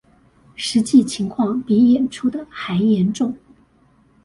實際情況比演出的還嚴重